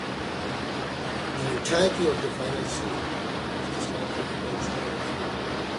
The entirety of the final scene is described from the crowd's point of view.